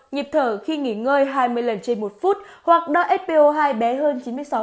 nhịp thở khi nghỉ ngơi hai mươi lần trên một phút hoặc đo sco hai bé hơn chín mươi sáu